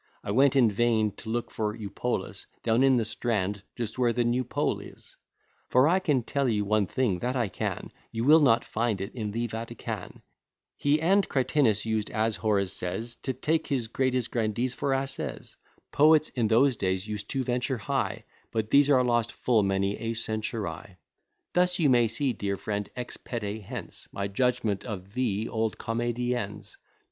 I went in vain to look for Eupolis Down in the Strand, just where the New Pole is; For I can tell you one thing, that I can, You will not find it in the Vatican. He and Cratinus used, as Horace says, To take his greatest grandees for asses. Poets, in those days, used to venture high; But these are lost full many a century. Thus you may see, dear friend, ex pede hence, My judgment of the old comedians.